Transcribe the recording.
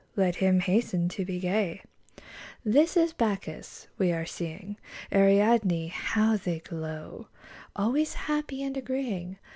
Let him hasten to be gay ! This is Bacchus we are seeing, Ariadne — ^how they glow I Always happy and agreeing.